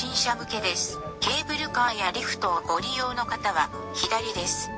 「ケーブルカーやリフトをご利用の方は左です」